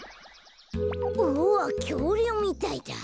おぉきょうりゅうみたいだ。